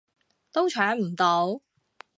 都搶唔到